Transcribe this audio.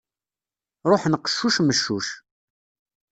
Ruḥen qeccuc meccuc.